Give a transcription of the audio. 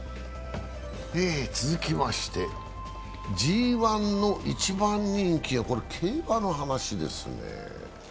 続きまして、ＧⅠの一番人気、これ、競馬の話ですね。